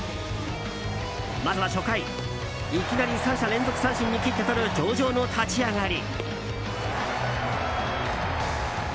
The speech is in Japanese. まずは初回、いきなり３者連続三振に切って取る上々の立ち上がり。